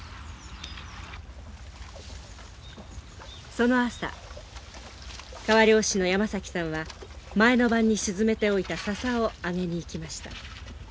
その朝川漁師の山崎さんは前の晩に沈めておいた笹を揚げにいきました。